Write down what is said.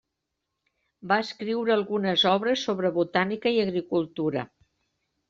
Va escriure algunes obres sobre botànica i agricultura.